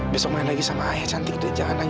besok main lagi sama ayah cantik jangan lagi cantik